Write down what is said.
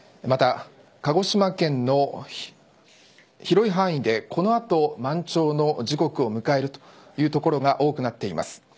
また、鹿児島県の広い範囲で、この後、満潮の時刻を迎えるという所が多くなっています。